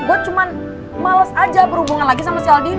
gue cuma males aja berhubungan lagi sama si aldino